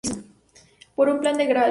Por un plan de Gral.